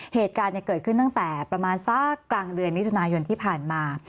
เหตุการณ์เกิดขึ้นตั้งแต่ประมาณสักกลางเดือนมิถุนายนที่ผ่านมา